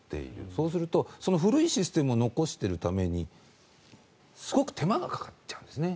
そうするとその古いシステムを残しているためにすごく手間がかかっちゃうんですね。